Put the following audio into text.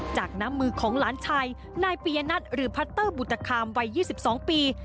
จากน้ำมือของหลานชายนายปียนัทหรือพัตเตอร์บุตคามวัย๒๒ปี